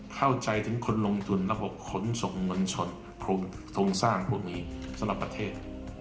เข้าใจถึงคนลงทุนระบบขนส่งมวลชนโครงสร้างพวกนี้สำหรับประเทศ